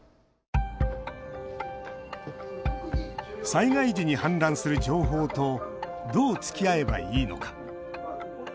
災害時に氾濫する情報とどうつきあえばいいのか。